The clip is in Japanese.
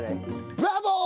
「ブラボー！」